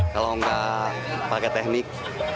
kalau enggak pakai teknik